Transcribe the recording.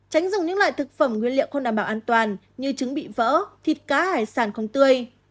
tránh dùng những loại thực phẩm nguyên liệu không đảm bảo an toàn như trứng bị vỡ thịt cá hải sản không tươi